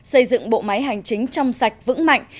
xây dựng bộ máy hành chính trong sạch vững mạnh